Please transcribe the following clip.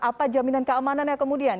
apa jaminan keamanan yang kemudian